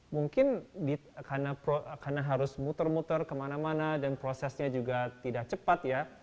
mungkin karena harus muter muter kemana mana dan prosesnya juga tidak cepat ya